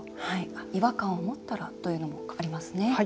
違和感を持ったらというのもありますね。